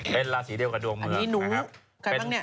เป็นราศีเดียวกับดวงเมือง